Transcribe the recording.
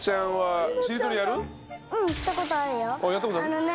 あのね